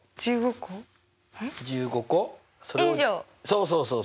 そうそうそう。